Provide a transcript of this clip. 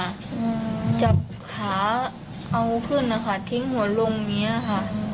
อืมจับขาเอาขึ้นนะคะทิ้งหัวลงอย่างเงี้ยค่ะ